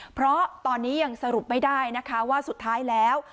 เพราะตอนนี้ยังสรุปไม่ได้นะคะว่าสุดท้ายแล้ว